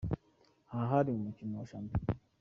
Aha hari mu mukino wa shampiyona.